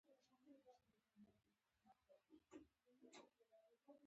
د افغانانو تاریخي ټاټوبی و.